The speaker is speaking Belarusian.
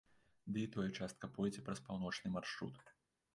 Ды і тое частка пойдзе праз паўночны маршрут.